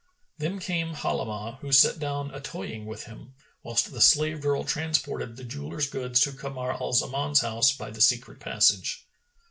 Then came Halimah who sat down atoying with him, whilst the slave girl transported the jeweller's goods to Kamar al Zaman's house by the secret passage.